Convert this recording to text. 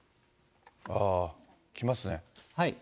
来ますね。